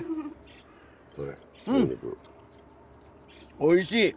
おいしい！